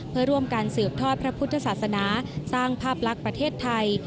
เพื่อร่วมการสืบทอดพระพุทธศาสนาสร้างภาพลักษณ์ประเทศไทย